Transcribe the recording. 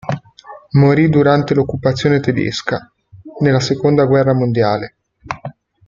Morì durante l'occupazione tedesca, nella seconda guerra mondiale.